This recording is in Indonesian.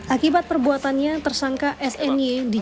akibat perbuatannya tersangka sny dijerat perlahan